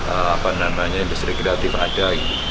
apa namanya industri kreatif ada